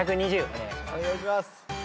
お願いします。